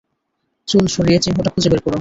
চুল সরিয়ে, চিহ্নটা খুঁজে বের করুন!